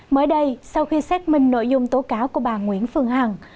mới đây sau khi xác minh nội dung tố cáo của bà nguyễn phương hằng